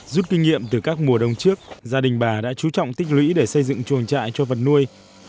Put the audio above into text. rút kinh nghiệm từ các mùa đông trước gia đình bà đã chú trọng tích lũy để xây dựng chuồng trại cho vật nuôi